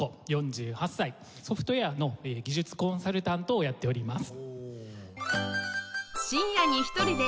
ソフトウェアの技術コンサルタントをやっております。